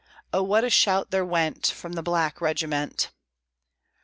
Oh, what a shout there went From the black regiment!